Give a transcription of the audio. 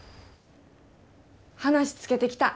話つけてきた。